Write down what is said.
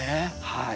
はい。